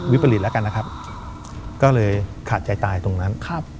ปริตแล้วกันนะครับก็เลยขาดใจตายตรงนั้น